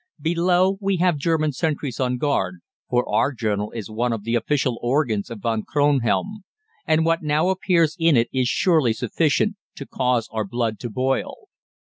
Below, we have German sentries on guard, for our journal is one of the official organs of Von Kronhelm, and what now appears in it is surely sufficient to cause our blood to boil."